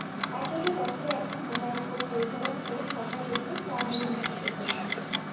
অথচ বছরে একবার মোবাইল কোর্ট পরিচালনা করে সরকার দেশকে ফরমালিনমুক্ত করতে চায়।